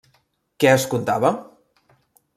¿Què es contava?